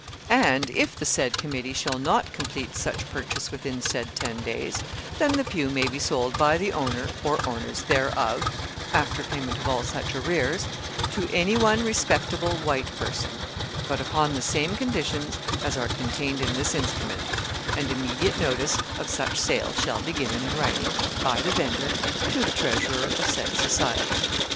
And if the said committee shall not so complete such purchase within said ten days, then the pew may be sold by the owner or owners thereof (after payment of all such arrears) to any one respectable white person, but upon the same conditions as are contained in this instrument; and immediate notice of such sale shall be given in writing, by the vendor, to the treasurer of said society."